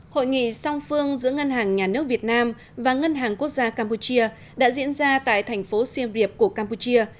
hội nghị song phương giữa ngân hàng nhà nước việt nam và ngân hàng quốc gia campuchia đã diễn ra tại thành phố siem reap của campuchia